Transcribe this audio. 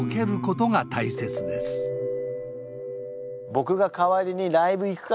僕が代わりにライブ行くからほら。